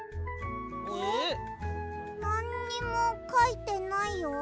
なんにもかいてないよ。